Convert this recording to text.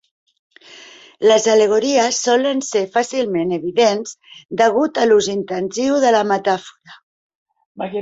Les al·legories solen ser fàcilment evidents degut a l'ús intensiu de la metàfora.